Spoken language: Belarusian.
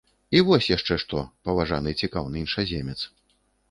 І вось яшчэ што, паважаны цікаўны іншаземец.